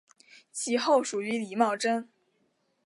其后属于李茂贞。